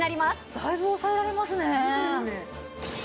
だいぶ抑えられますね。